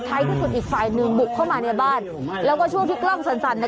ที่สุดอีกฝ่ายหนึ่งบุกเข้ามาในบ้านแล้วก็ช่วงที่กล้องสั่นสั่น